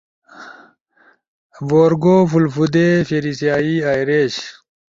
بورگو فُولفودے، فیریسیائی، آئریش